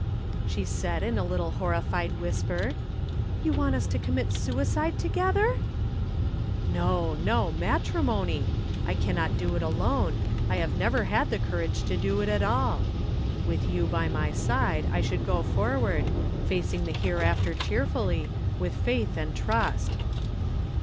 she said in a little horrified whisper. "You want us to commit suicide together?" "No, no matrimony. I cannot do it alone I have never had the courage to do it at all. With you at my side, I should go forward, facing the hereafter cheerfully, with faith and trust."